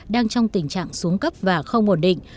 đang trong tình trạng xuống cấp và không ổn định